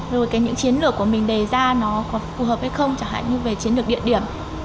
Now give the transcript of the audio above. rồi những chiến lược của mình đề ra nó có phù hợp hay không chẳng hạn như về chiến lược địa điểm